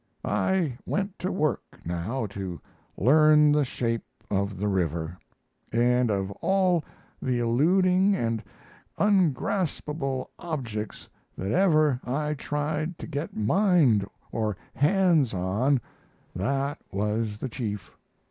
I went to work now to learn the shape of the river; and of all the eluding and ungraspable objects that ever I tried to get mind or hands on, that was the chief.